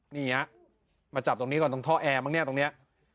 นี่ฮะมาจับตรงนี้ก่อนตรงท่อแอร์มั้งเนี่ยตรงนี้